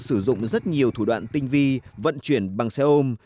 sử dụng rất nhiều thủ đoạn tinh vi vận chuyển bằng xe ôm